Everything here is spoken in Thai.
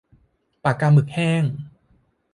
ปากกาหมึกแห้ง